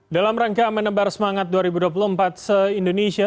dalam rangka menebar semangat dua ribu dua puluh empat se indonesia